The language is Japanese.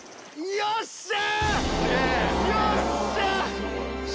よっしゃ！